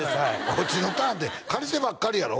こっちのターンって借りてばっかりやろ？